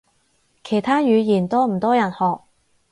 其他語言多唔多人學？